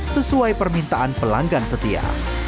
sesuai permintaan pelanggan setia